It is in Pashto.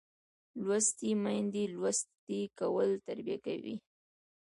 لوستې میندې لوستی کول تربیه کوي